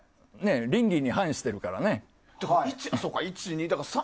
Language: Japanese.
倫理に反しているからね。